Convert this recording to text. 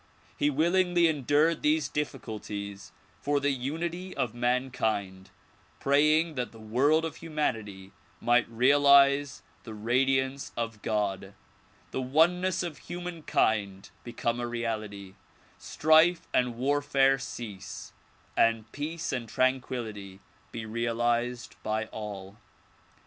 He willingly endured these difficulties for the unity of mankind, pray ing that the world of humanity might realize the radiance of God, the oneness of humankind become a reality, strife and warfare cease and peace and tranquillity be realized by all.